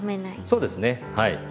そうですねはい。